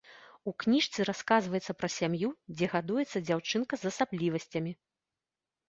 У кніжцы расказваецца пра сям'ю, дзе гадуецца дзяўчынка з асаблівасцямі.